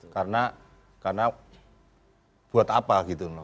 karena buat apa gitu loh